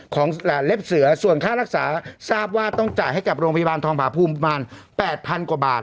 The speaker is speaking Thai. ของเล็บเสือส่วนค่ารักษาทราบว่าต้องจ่ายให้กับโรงพยาบาลทองผาภูมิประมาณ๘๐๐๐กว่าบาท